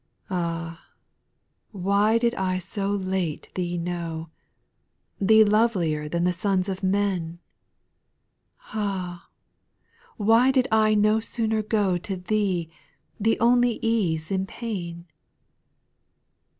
Ah I why did I so late Thee know, Thee lovelier than the sons of men ? Ah I why did I no sooner go To Thee, the only ease in pain